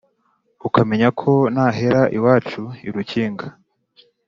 ukamenya ko nahera iwacu i rukiga,